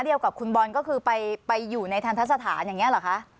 เดียวกับคุณบอลก็คือไปอยู่ในทันทะสถานอย่างนี้เหรอคะ